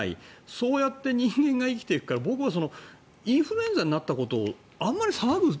そうやって人間が生きていくから僕はインフルエンザになったことあまり騒ぐ。